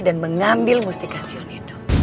dan mengambil mustikasion itu